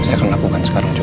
saya akan lakukan sekarang juga